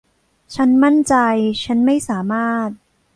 ฉันมั่นใจฉันไม่สามารถ